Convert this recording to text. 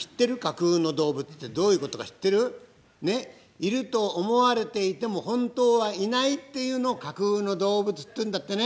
いると思われていても本当はいないっていうのを架空の動物っていうんだってね！